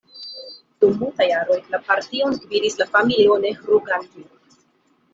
Dum multaj jaroj, la partion gvidis la familio Nehru-Gandhi.